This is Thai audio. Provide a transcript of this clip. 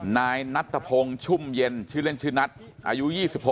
นายนัทพงศ์ชุ่มเย็นชื่อเล่นชื่อนัทอายุ๒๖